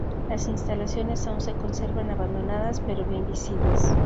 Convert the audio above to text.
Las instalaciones aún se conservan abandonadas, pero bien visibles.